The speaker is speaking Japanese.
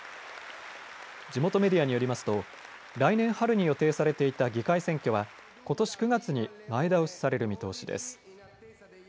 地元メディアによりますと来年春に予定されていた議会選挙はことし９月に前倒しされる見通しです。